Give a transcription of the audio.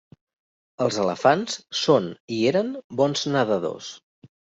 Els elefants són i eren bons nedadors.